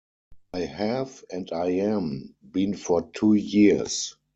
I have, and I am — been for two years.